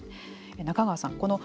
中川さん